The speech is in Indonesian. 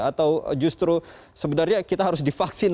atau justru sebenarnya kita harus divaksin